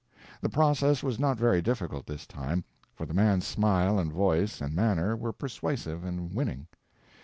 The process was not very difficult this time, for the man's smile and voice and manner were persuasive and winning.